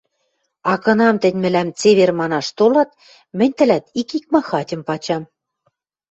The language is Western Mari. А кынам тӹнь мӹлӓм цевер манаш толат, мӹнь тӹлӓт ик икмахатьым пачам.